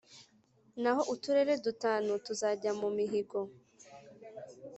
naho uturere dutanu tuzajya mumihigo